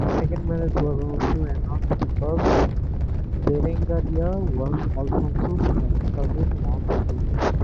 This second marriage was also annulled because Berengaria was Alfonso's first cousin once removed.